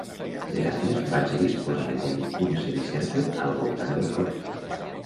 Les armes van ser disposades en un semicercle al voltant del fort.